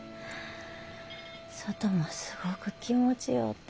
外もすごく気持ちようて。